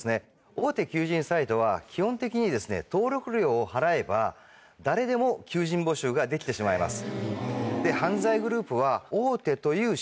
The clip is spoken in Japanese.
大手求人サイトは基本的に登録料を払えば誰でも求人募集ができてしまいます。